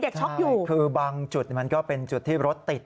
คือบางจุดมันก็เป็นจุดที่รถติด